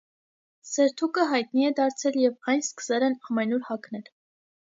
Սերթուկը հայտնի է դարձել և այն սկսել են ամենուր հագնել։